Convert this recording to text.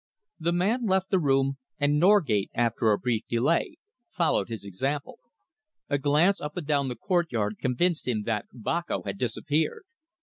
The man left the room, and Norgate, after a brief delay, followed his example. A glance up and down the courtyard convinced him that Boko had disappeared.